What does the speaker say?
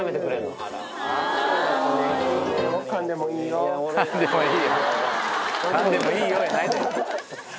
「かんでもいいよ」やないねん。